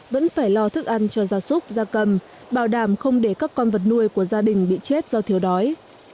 vẫn phải lo thức ăn cho gia súc gia cầm bảo đảm không để các con vật nuôi của gia đình bị chết do thiếu đói